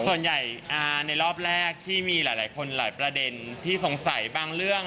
ส่วนใหญ่ในรอบแรกที่มีหลายคนหลายประเด็นที่สงสัยบางเรื่อง